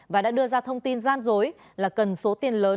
và đã đưa ra thông tin gian dối là cần số tiền lớn